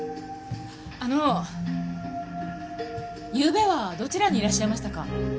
あのゆうべはどちらにいらっしゃいましたか？